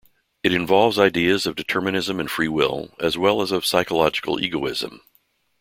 It involves ideas of determinism and free will, as well as of psychological egoism.